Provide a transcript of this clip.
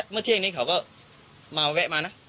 เมื่อเที่ยงนี้เขาก็มาแวะมานะ